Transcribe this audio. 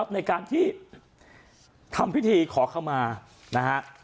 ในการที่ทำพิธีขอเข้ามานะฮะ